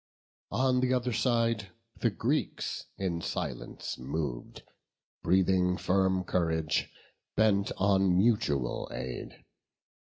On th' other side the Greeks in silence mov'd, Breathing firm courage, bent on mutual aid.